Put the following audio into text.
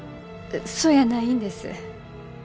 あそやないんです。